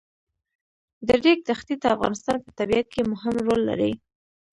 د ریګ دښتې د افغانستان په طبیعت کې مهم رول لري.